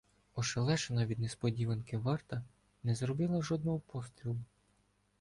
Ошелешена від несподіванки варта не зробила жодного пострілу.